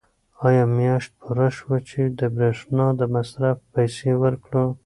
آیا میاشت پوره شوه چې د برېښنا د مصرف پیسې ورکړو؟